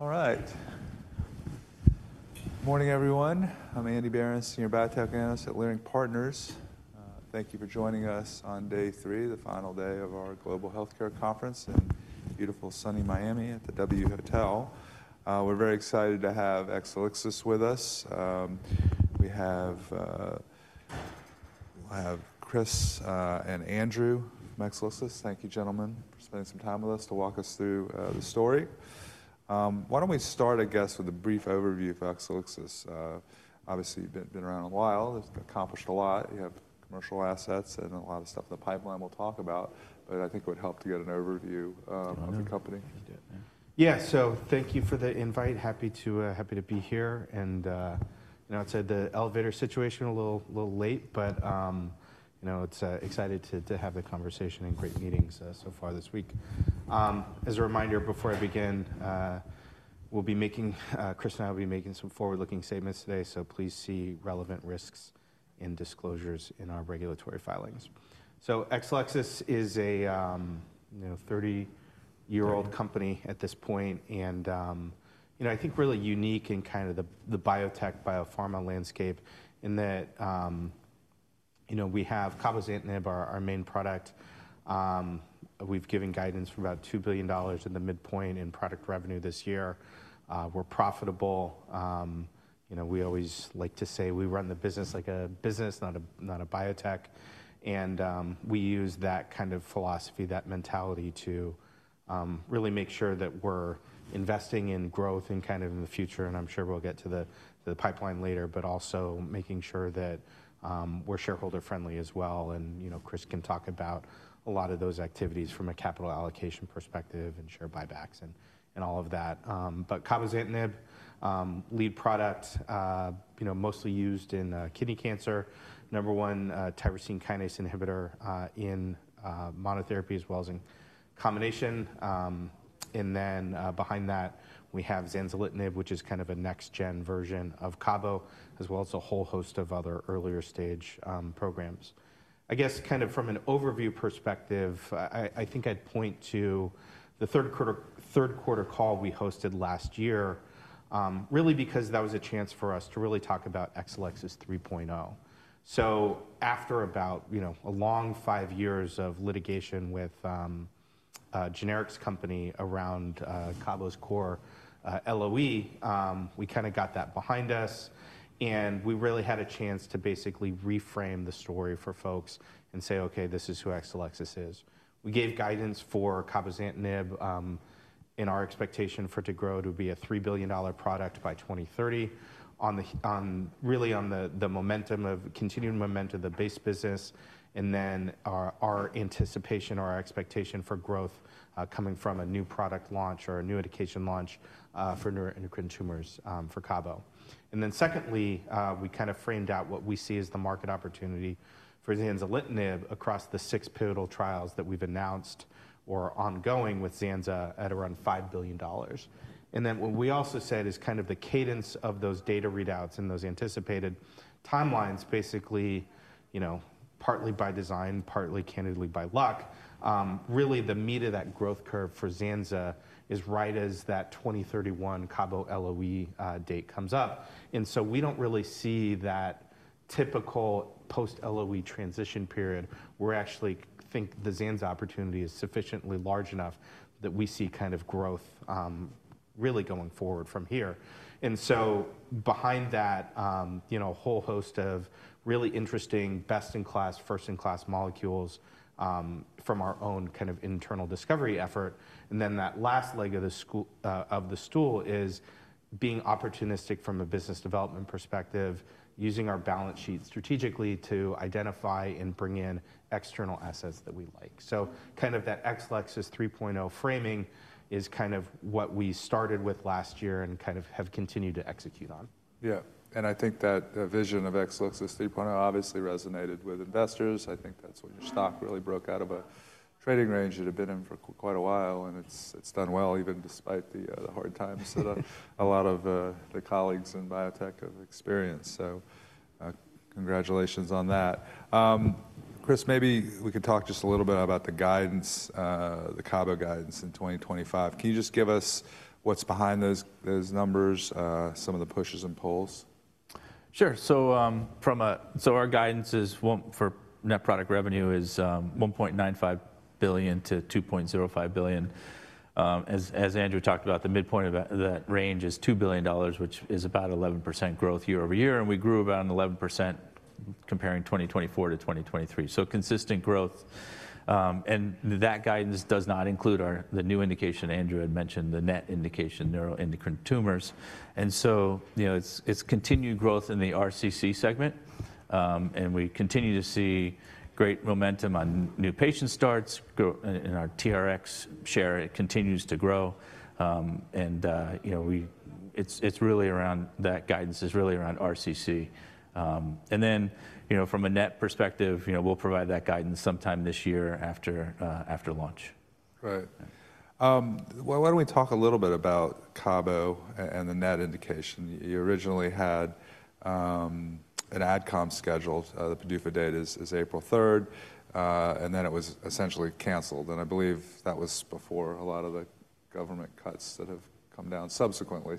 All right. Good morning, everyone. I'm Andy Berens, Senior Biotech Analyst at Leerink Partners. Thank you for joining us on day three, the final day of our Global Health Care Conference in beautiful, sunny Miami at the W Hotel. We're very excited to have Exelixis with us. We have Chris and Andrew from Exelixis. Thank you, gentlemen, for spending some time with us to walk us through the story. Why don't we start, I guess, with a brief overview of Exelixis? Obviously, you've been around a while. You've accomplished a lot. You have commercial assets and a lot of stuff in the pipeline we'll talk about. I think it would help to get an overview of the company. Yeah, thank you for the invite. Happy to be here. I'd say the elevator situation a little late, but it's exciting to have the conversation and great meetings so far this week. As a reminder, before I begin, Chris and I will be making some forward-looking statements today. Please see relevant risks and disclosures in our regulatory filings. Exelixis is a 30-year-old company at this point. I think really unique in kind of the biotech, biopharma landscape in that we have cabozantinib, our main product. We've given guidance for about $2 billion in the midpoint in product revenue this year. We're profitable. We always like to say we run the business like a business, not a biotech. We use that kind of philosophy, that mentality to really make sure that we're investing in growth and kind of in the future. I'm sure we'll get to the pipeline later, but also making sure that we're shareholder-friendly as well. Chris can talk about a lot of those activities from a capital allocation perspective and share buybacks and all of that. Cabozantinib, lead product, mostly used in kidney cancer, number one, tyrosine kinase inhibitor in monotherapy as well as in combination. Behind that, we have zanzalintinib, which is kind of a next-gen version of cabo, as well as a whole host of other earlier-stage programs. I guess kind of from an overview perspective, I think I'd point to the third-quarter call we hosted last year, really because that was a chance for us to really talk about Exelixis 3.0. After about a long five years of litigation with a generics company around cabo's core LOE, we kind of got that behind us. We really had a chance to basically reframe the story for folks and say, okay, this is who Exelixis is. We gave guidance for cabozantinib in our expectation for it to grow to be a $3 billion product by 2030, really on the continued momentum of the base business. Our anticipation or our expectation for growth coming from a new product launch or a new education launch for neuroendocrine tumors for cabo. Secondly, we kind of framed out what we see as the market opportunity for zanzalintinib across the six pivotal trials that we have announced or ongoing with zanza at around $5 billion. What we also said is kind of the cadence of those data readouts and those anticipated timelines, basically partly by design, partly candidly by luck, really the meat of that growth curve for zanza is right as that 2031 cabo LOE date comes up. We do not really see that typical post-LOE transition period. We actually think the zanza opportunity is sufficiently large enough that we see kind of growth really going forward from here. Behind that, a whole host of really interesting best-in-class, first-in-class molecules from our own kind of internal discovery effort. That last leg of the stool is being opportunistic from a business development perspective, using our balance sheet strategically to identify and bring in external assets that we like. Kind of that Exelixis 3.0 framing is kind of what we started with last year and kind of have continued to execute on. Yeah. I think that vision of Exelixis 3.0 obviously resonated with investors. I think that's when your stock really broke out of a trading range it had been in for quite a while. It's done well even despite the hard times that a lot of the colleagues in biotech have experienced. Congratulations on that. Chris, maybe we could talk just a little bit about the guidance, the cabo guidance in 2025. Can you just give us what's behind those numbers, some of the pushes and pulls? Sure. Our guidance for net product revenue is $1.95 billion-$2.05 billion. As Andrew talked about, the midpoint of that range is $2 billion, which is about 11% growth year over year. We grew about 11% comparing 2024 to 2023. Consistent growth. That guidance does not include the new indication Andrew had mentioned, the NET indication, neuroendocrine tumors. It is continued growth in the RCC segment. We continue to see great momentum on new patient starts. In our TRX share, it continues to grow. It is really around that guidance, really around RCC. From a net perspective, we will provide that guidance sometime this year after launch. Right. Why don't we talk a little bit about cabo and the NET indication? You originally had an Adcom scheduled. The PDUFA date is April 3rd. It was essentially canceled. I believe that was before a lot of the government cuts that have come down subsequently.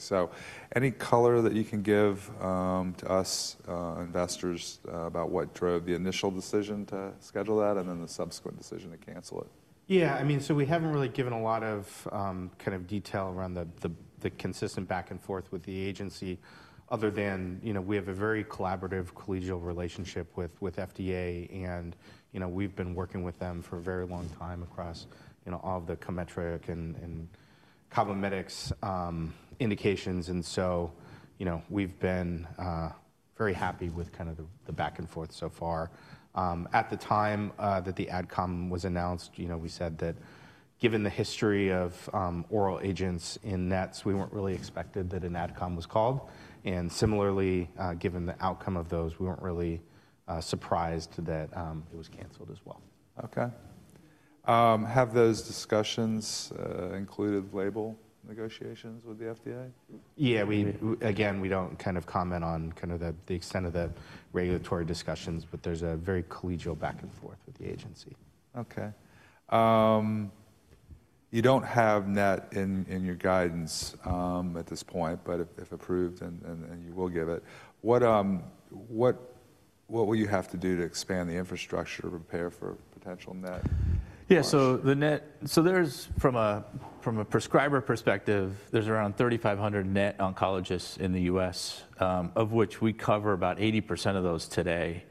Any color that you can give to us investors about what drove the initial decision to schedule that and the subsequent decision to cancel it? Yeah. I mean, we haven't really given a lot of kind of detail around the consistent back and forth with the agency other than we have a very collaborative, collegial relationship with FDA. We've been working with them for a very long time across all of the COMETRIQ and CABOMETYX indications. We've been very happy with kind of the back and forth so far. At the time that the Adcom was announced, we said that given the history of oral agents in NETs, we weren't really expecting that an Adcom was called. Similarly, given the outcome of those, we weren't really surprised that it was canceled as well. Okay. Have those discussions included label negotiations with the FDA? Yeah. Again, we do not kind of comment on kind of the extent of the regulatory discussions. There is a very collegial back and forth with the agency. OK. You do not have NET in your guidance at this point, but if approved, then you will give it. What will you have to do to expand the infrastructure to prepare for potential NET? Yeah. From a prescriber perspective, there's around 3,500 NET oncologists in the US, of which we cover about 80% of those today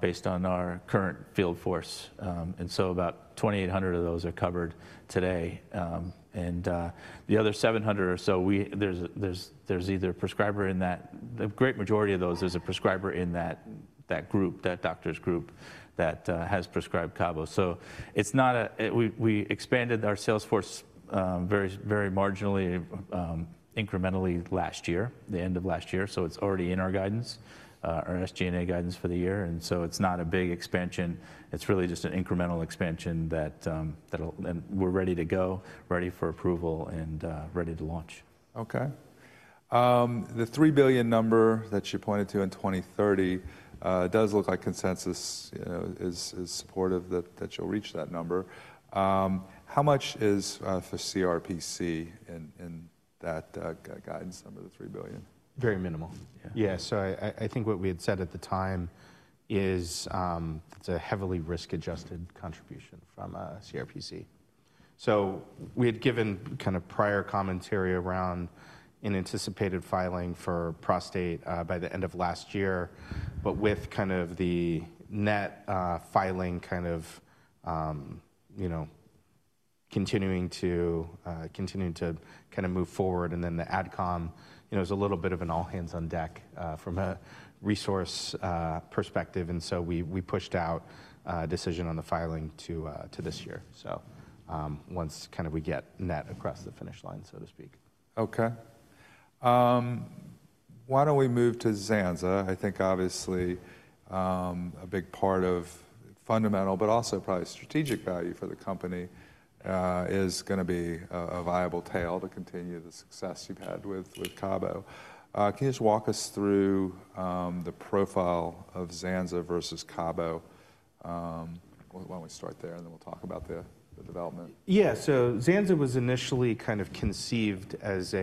based on our current field force. About 2,800 of those are covered today. The other 700 or so, there's either a prescriber in that, the great majority of those, there's a prescriber in that group, that doctor's group that has prescribed cabo. We expanded our sales force very marginally, incrementally last year, the end of last year. It's already in our guidance, our SG&A guidance for the year. It's not a big expansion. It's really just an incremental expansion that we're ready to go, ready for approval, and ready to launch. Okay. The $3 billion number that you pointed to in 2030 does look like consensus is supportive that you'll reach that number. How much is for CRPC in that guidance number, the $3 billion? Very minimal. Yeah. I think what we had said at the time is it's a heavily risk-adjusted contribution from CRPC. We had given kind of prior commentary around an anticipated filing for prostate by the end of last year. With kind of the NET filing kind of continuing to move forward, and then the Adcom, it was a little bit of an all-hands-on-deck from a resource perspective. We pushed out a decision on the filing to this year, once kind of we get NET across the finish line, so to speak. OK. Why don't we move to zanza? I think obviously a big part of fundamental, but also probably strategic value for the company is going to be a viable tail to continue the success you've had with cabo. Can you just walk us through the profile of zanza versus cabo? Why don't we start there, and then we'll talk about the development? Yeah. Zanza was initially kind of conceived as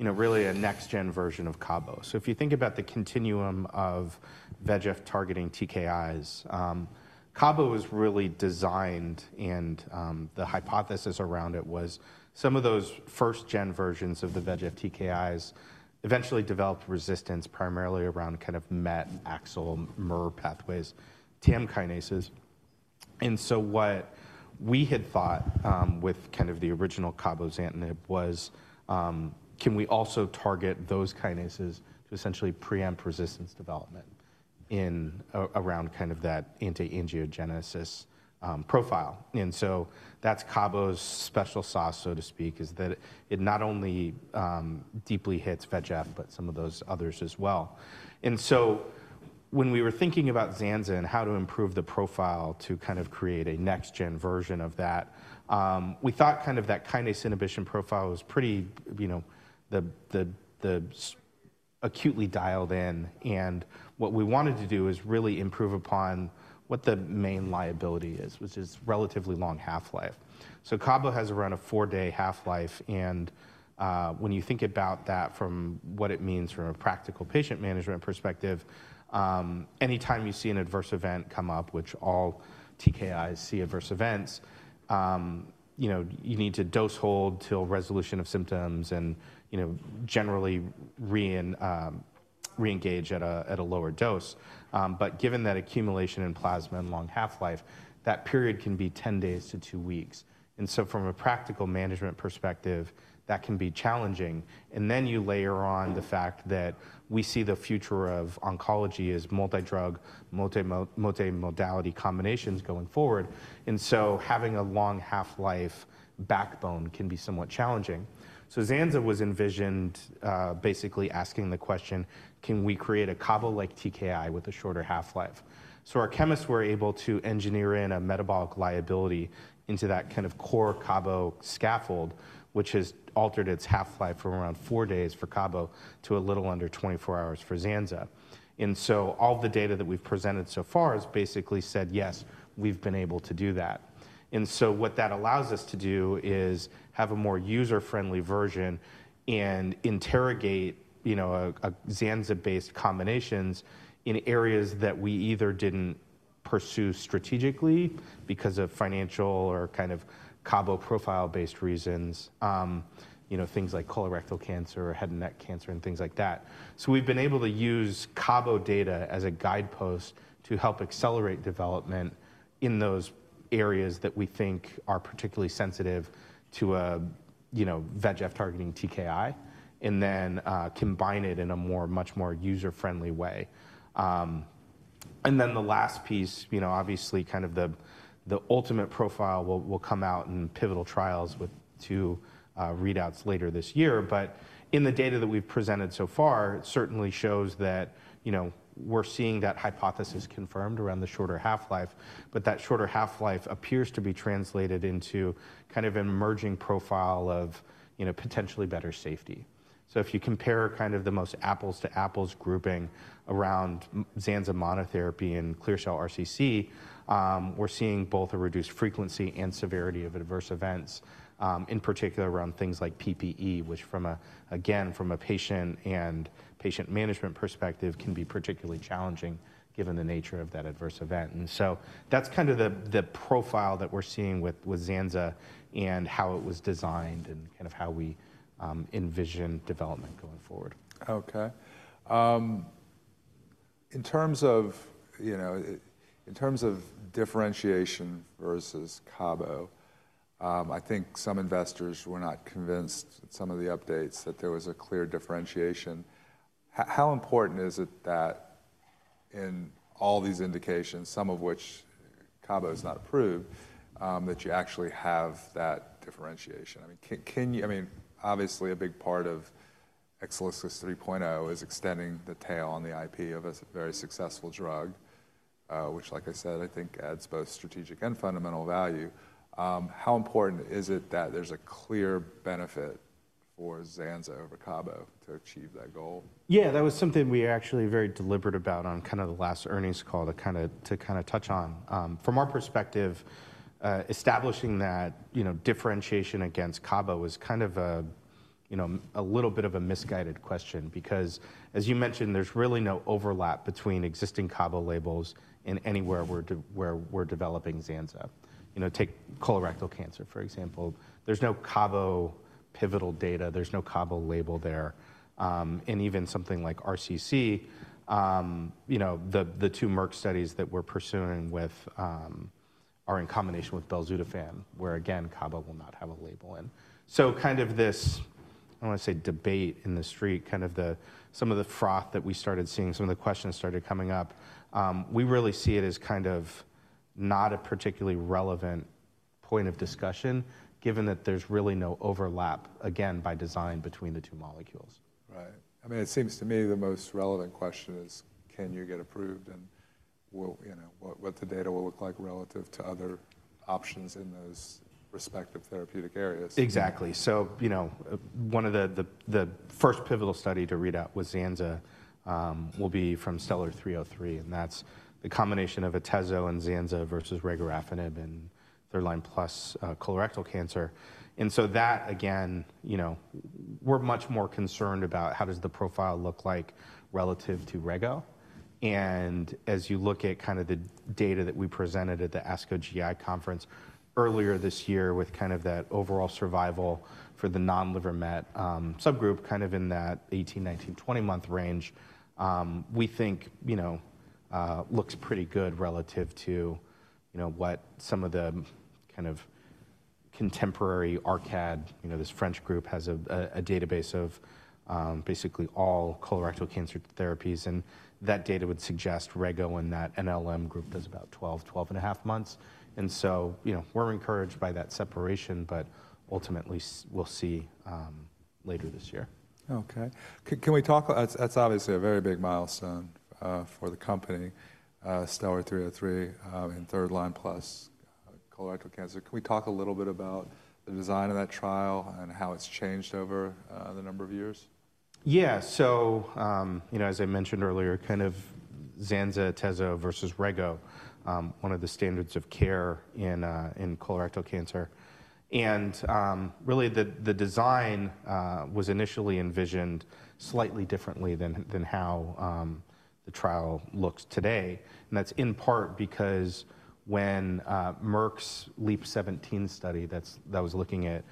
really a next-gen version of cabo. If you think about the continuum of VEGF targeting TKIs, cabo was really designed. The hypothesis around it was some of those first-gen versions of the VEGF TKIs eventually developed resistance primarily around kind of MET, AXL, MER pathways, TAM kinases. What we had thought with kind of the original cabozantinib was, can we also target those kinases to essentially preempt resistance development around kind of that anti-angiogenesis profile? That's cabo's special sauce, so to speak, is that it not only deeply hits VEGF, but some of those others as well. When we were thinking about zanza and how to improve the profile to kind of create a next-gen version of that, we thought kind of that kinase inhibition profile was pretty acutely dialed in. What we wanted to do is really improve upon what the main liability is, which is relatively long half-life. Cabo has around a four-day half-life. When you think about that from what it means from a practical patient management perspective, any time you see an adverse event come up, which all TKIs see adverse events, you need to dose hold till resolution of symptoms and generally re-engage at a lower dose. Given that accumulation in plasma and long half-life, that period can be 10 days to two weeks. From a practical management perspective, that can be challenging. You layer on the fact that we see the future of oncology as multi-drug, multi-modality combinations going forward. Having a long half-life backbone can be somewhat challenging. Zanza was envisioned basically asking the question, can we create a cabo-like TKI with a shorter half-life? Our chemists were able to engineer in a metabolic liability into that kind of core cabo scaffold, which has altered its half-life from around four days for Cabo to a little under 24 hours for zanza. All of the data that we've presented so far has basically said, yes, we've been able to do that. What that allows us to do is have a more user-friendly version and interrogate zanza-based combinations in areas that we either didn't pursue strategically because of financial or kind of cabo profile-based reasons, things like colorectal cancer or head and neck cancer and things like that. We've been able to use cabo data as a guidepost to help accelerate development in those areas that we think are particularly sensitive to a VEGF-targeting TKI and then combine it in a much more user-friendly way. The last piece, obviously kind of the ultimate profile, will come out in pivotal trials with two readouts later this year. In the data that we've presented so far, it certainly shows that we're seeing that hypothesis confirmed around the shorter half-life. That shorter half-life appears to be translated into kind of an emerging profile of potentially better safety. If you compare kind of the most apples-to-apples grouping around zanza monotherapy and clear cell RCC, we're seeing both a reduced frequency and severity of adverse events, in particular around things like PPE, which again, from a patient and patient management perspective, can be particularly challenging given the nature of that adverse event. That's kind of the profile that we're seeing with zanza and how it was designed and kind of how we envision development going forward. Okay. In terms of differentiation versus cabo, I think some investors were not convinced at some of the updates that there was a clear differentiation. How important is it that in all these indications, some of which cabo is not approved, that you actually have that differentiation? I mean, obviously a big part of Exelixis 3.0 is extending the tail on the IP of a very successful drug, which, like I said, I think adds both strategic and fundamental value. How important is it that there's a clear benefit for zanza over cabo to achieve that goal? Yeah. That was something we were actually very deliberate about on kind of the last earnings call to kind of touch on. From our perspective, establishing that differentiation against cabo was kind of a little bit of a misguided question because, as you mentioned, there's really no overlap between existing cabo labels and anywhere where we're developing zanza. Take colorectal cancer, for example. There's no cabo pivotal data. There's no cabo label there. Even something like RCC, the two Merck studies that we're pursuing are in combination with belzutifan, where, again, cabo will not have a label in. Kind of this, I want to say, debate in the street, kind of some of the froth that we started seeing, some of the questions started coming up, we really see it as kind of not a particularly relevant point of discussion given that there's really no overlap, again, by design between the two molecules. Right. I mean, it seems to me the most relevant question is, can you get approved and what the data will look like relative to other options in those respective therapeutic areas? Exactly. One of the first pivotal studies to read out with zanza will be from STELLAR-303. That is the combination of atezo and zanza versus regorafenib in third-line plus colorectal cancer. We are much more concerned about how the profile looks like relative to rego. As you look at the data that we presented at the ASCO GI conference earlier this year with that overall survival for the non-liver met subgroup in that 18-20 month range, we think it looks pretty good relative to what some of the contemporary ARCAD, this French group, has as a database of basically all colorectal cancer therapies. That data would suggest rego in that NLM group is about 12-12.5 months. We are encouraged by that separation. Ultimately, we will see later this year. OK. Can we talk? That's obviously a very big milestone for the company, STELLAR-303, in third-line plus colorectal cancer. Can we talk a little bit about the design of that trial and how it's changed over the number of years? Yeah. As I mentioned earlier, kind of zanza, atezo versus rego, one of the standards of care in colorectal cancer. Really, the design was initially envisioned slightly differently than how the trial looks today. That is in part because when Merck's LEAP-017 study that was looking at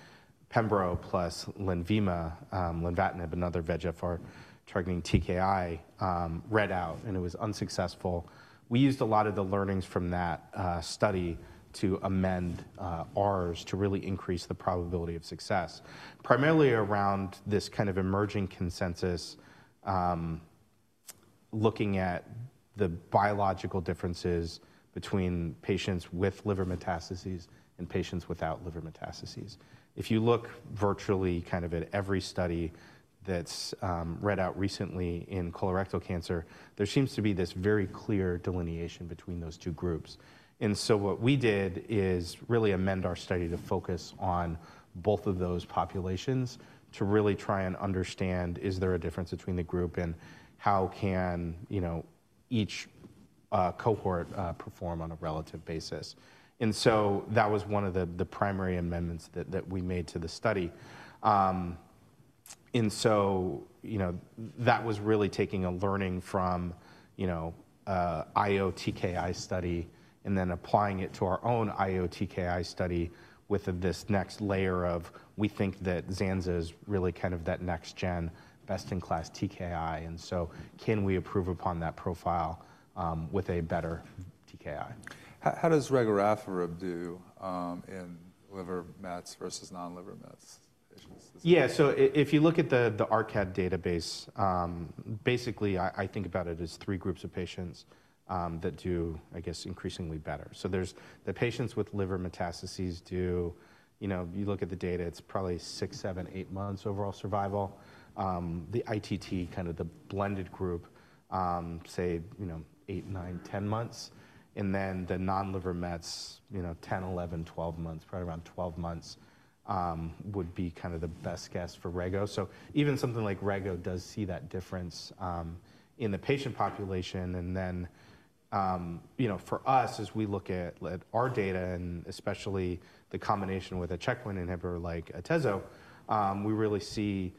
pembro plus LENVIMA, lenvatinib, another VEGF-targeting TKI, read out and it was unsuccessful, we used a lot of the learnings from that study to amend ours to really increase the probability of success, primarily around this kind of emerging consensus looking at the biological differences between patients with liver metastases and patients without liver metastases. If you look virtually at every study that's read out recently in colorectal cancer, there seems to be this very clear delineation between those two groups. What we did is really amend our study to focus on both of those populations to really try and understand, is there a difference between the group and how can each cohort perform on a relative basis? That was one of the primary amendments that we made to the study. That was really taking a learning from IO-TKI study and then applying it to our own IO-TKI study with this next layer of we think that zanza is really kind of that next-gen best-in-class TKI. Can we improve upon that profile with a better TKI? How does regorafenib do in liver mets versus non-liver mets patients? Yeah. If you look at the ARCAD database, basically, I think about it as three groups of patients that do, I guess, increasingly better. The patients with liver metastases do, you look at the data, it's probably six, seven, eight months overall survival. The ITT, kind of the blended group, say, eight, nine, 10 months. The non-liver mets, 10, 11, 12 months, probably around 12 months would be kind of the best guess for rego. Even something like rego does see that difference in the patient population. For us, as we look at our data and especially the combination with a checkpoint inhibitor like atezo, we really see,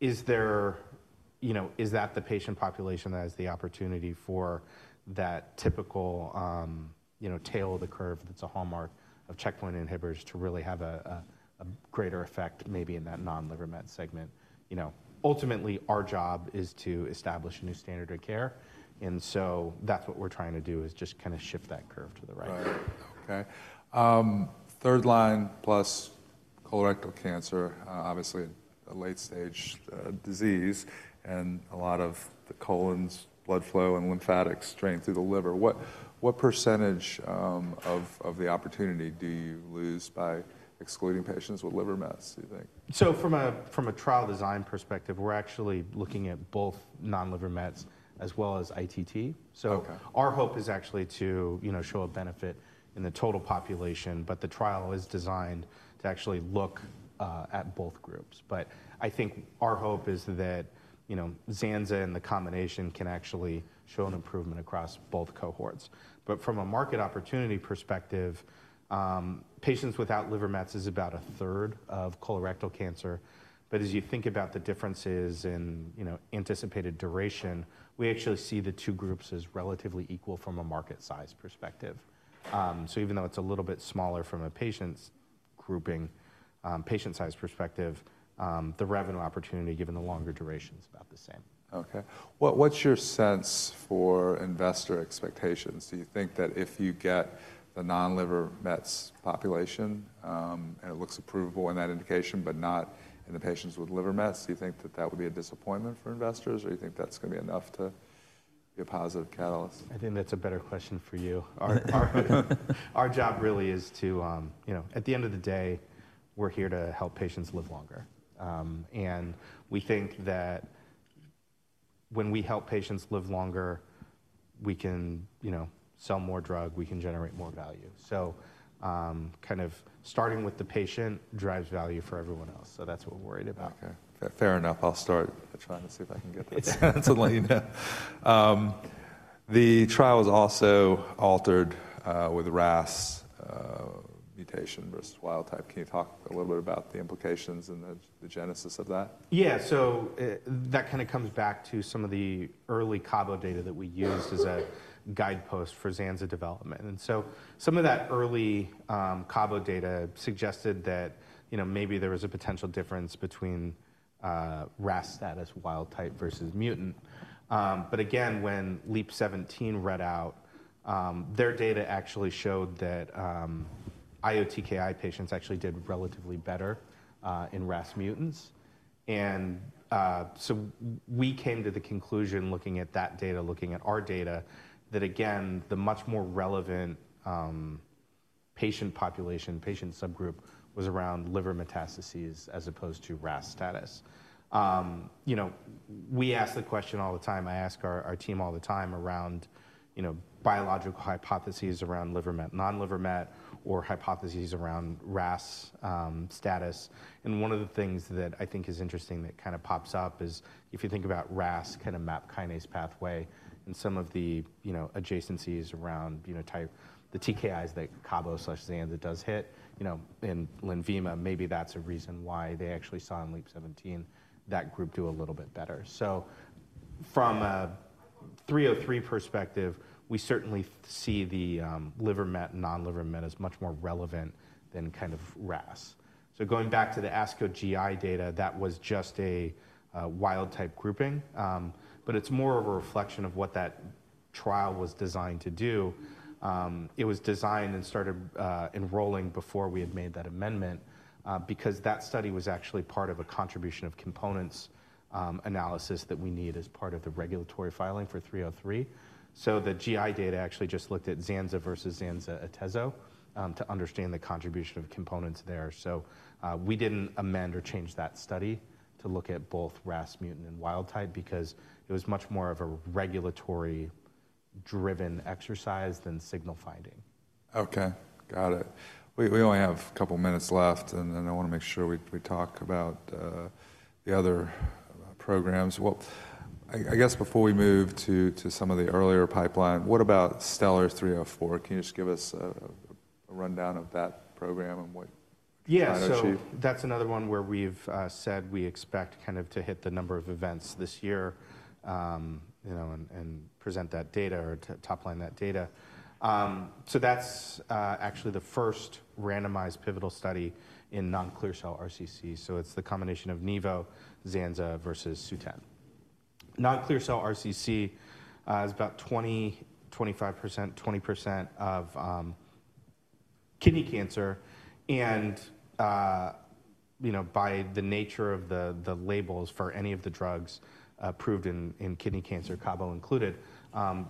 is that the patient population that has the opportunity for that typical tail of the curve that's a hallmark of checkpoint inhibitors to really have a greater effect maybe in that non-liver met segment? Ultimately, our job is to establish a new standard of care. That is what we're trying to do is just kind of shift that curve to the right. Right. Okay. Third-line plus colorectal cancer, obviously a late-stage disease and a lot of the colon's blood flow and lymphatic strain through the liver. What percentage of the opportunity do you lose by excluding patients with liver mets, do you think? From a trial design perspective, we're actually looking at both non-liver mets as well as ITT. Our hope is actually to show a benefit in the total population. The trial is designed to actually look at both groups. I think our hope is that zanza and the combination can actually show an improvement across both cohorts. From a market opportunity perspective, patients without liver mets is about a third of colorectal cancer. As you think about the differences in anticipated duration, we actually see the two groups as relatively equal from a market size perspective. Even though it's a little bit smaller from a patient's grouping, patient size perspective, the revenue opportunity given the longer duration is about the same. Okay. What's your sense for investor expectations? Do you think that if you get the non-liver mets population and it looks approvable in that indication but not in the patients with liver mets, do you think that that would be a disappointment for investors? Or do you think that's going to be enough to be a positive catalyst? I think that's a better question for you. Our job really is to, at the end of the day, we're here to help patients live longer. We think that when we help patients live longer, we can sell more drug. We can generate more value. Kind of starting with the patient drives value for everyone else. That's what we're worried about. Okay. Fair enough. I'll start trying to see if I can get that. Yeah. The trial was also altered with RAS mutation versus wild type. Can you talk a little bit about the implications and the genesis of that? Yeah. That kind of comes back to some of the early cabo data that we used as a guidepost for zanza development. Some of that early cabo data suggested that maybe there was a potential difference between RAS status wild type versus mutant. Again, when LEAP-017 read out, their data actually showed that IO-TKI patients actually did relatively better in RAS mutants. We came to the conclusion looking at that data, looking at our data, that the much more relevant patient population, patient subgroup, was around liver metastases as opposed to RAS status. We ask the question all the time. I ask our team all the time around biological hypotheses around liver met, non-liver met, or hypotheses around RAS status. One of the things that I think is interesting that kind of pops up is if you think about RAS kind of MAP kinase pathway and some of the adjacencies around the TKIs that cabo/zanza does hit in LENVIMA, maybe that's a reason why they actually saw in LEAP-017 that group do a little bit better. From a 303 perspective, we certainly see the liver met and non-liver met as much more relevant than kind of RAS. Going back to the ASCO GI data, that was just a wild type grouping. It is more of a reflection of what that trial was designed to do. It was designed and started enrolling before we had made that amendment because that study was actually part of a contribution of components analysis that we need as part of the regulatory filing for 303. The GI data actually just looked at zanza versus zanza/atezo to understand the contribution of components there. We did not amend or change that study to look at both RAS mutant and wild type because it was much more of a regulatory-driven exercise than signal finding. Okay. Got it. We only have a couple of minutes left. I want to make sure we talk about the other programs. I guess before we move to some of the earlier pipeline, what about STELLAR-304? Can you just give us a rundown of that program and what? Yeah. That's another one where we've said we expect to hit the number of events this year and present that data or top line that data. That's actually the first randomized pivotal study in non-clear cell RCC. It's the combination of nivo, zanza versus Sutent. Non-clear cell RCC is about 20%-25%, 20% of kidney cancer. By the nature of the labels for any of the drugs approved in kidney cancer, cabo included,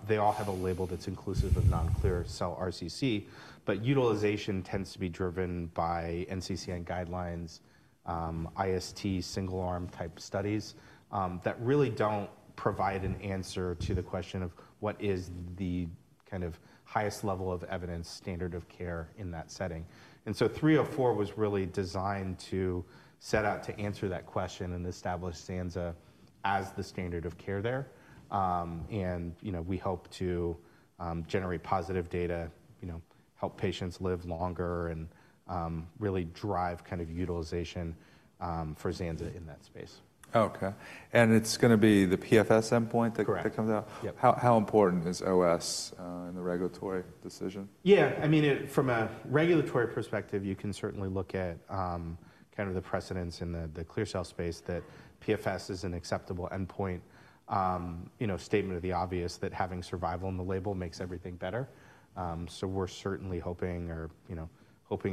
they all have a label that's inclusive of non-clear cell RCC. Utilization tends to be driven by NCCN guidelines, IST single-arm type studies that really don't provide an answer to the question of what is the highest level of evidence standard of care in that setting. 304 was really designed to set out to answer that question and establish zanza as the standard of care there. We hope to generate positive data, help patients live longer, and really drive kind of utilization for zanza in that space. OK. It's going to be the PFS endpoint that comes out? Correct. How important is OS in the regulatory decision? Yeah. I mean, from a regulatory perspective, you can certainly look at kind of the precedents in the clear cell space that PFS is an acceptable endpoint, statement of the obvious that having survival in the label makes everything better. We are certainly hoping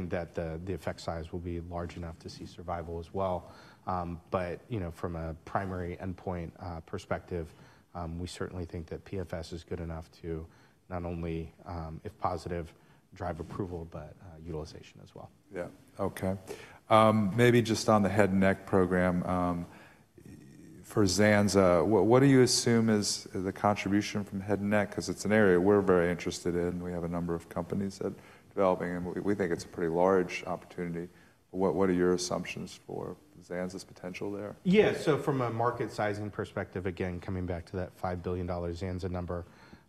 that the effect size will be large enough to see survival as well. From a primary endpoint perspective, we certainly think that PFS is good enough to not only, if positive, drive approval, but utilization as well. Yeah. Okay. Maybe just on the head and neck program for zanza, what do you assume is the contribution from head and neck? Because it's an area we're very interested in. We have a number of companies that are developing. We think it's a pretty large opportunity. What are your assumptions for zanza's potential there? Yeah. From a market sizing perspective, again, coming back to that $5 billion zanza number,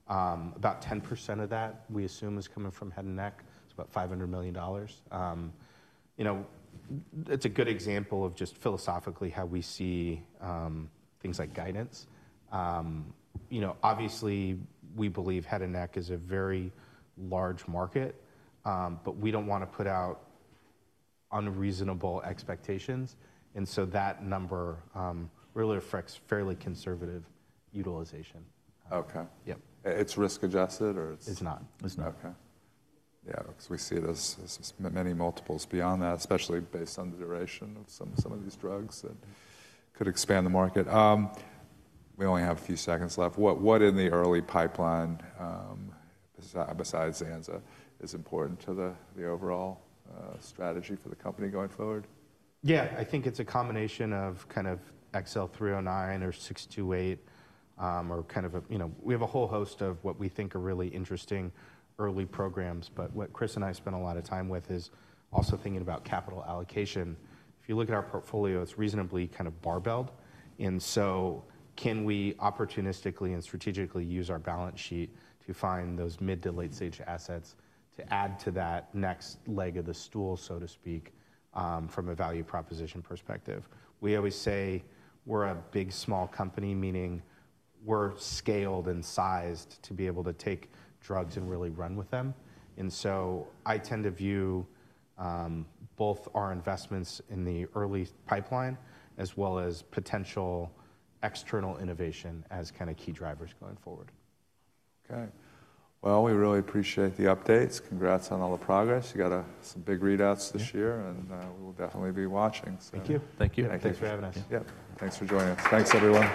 about 10% of that we assume is coming from head and neck. It's about $500 million. It's a good example of just philosophically how we see things like guidance. Obviously, we believe head and neck is a very large market. We don't want to put out unreasonable expectations. That number really reflects fairly conservative utilization. Okay. Yeah. It's risk adjusted or it's? It's not. It's not. Okay. Yeah. Because we see it as many multiples beyond that, especially based on the duration of some of these drugs that could expand the market. We only have a few seconds left. What in the early pipeline besides zanza is important to the overall strategy for the company going forward? Yeah. I think it's a combination of kind of XL309 or 628 or kind of we have a whole host of what we think are really interesting early programs. What Chris and I spend a lot of time with is also thinking about capital allocation. If you look at our portfolio, it's reasonably kind of barbelled. Can we opportunistically and strategically use our balance sheet to find those mid to late-stage assets to add to that next leg of the stool, so to speak, from a value proposition perspective? We always say we're a big small company, meaning we're scaled and sized to be able to take drugs and really run with them. I tend to view both our investments in the early pipeline as well as potential external innovation as kind of key drivers going forward. Okay. We really appreciate the updates. Congrats on all the progress. You got some big readouts this year. We will definitely be watching. Thank you. Thank you. Thanks for having us. Yeah. Thanks for joining us. Thanks, everyone.